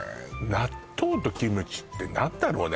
納豆とキムチって何だろうね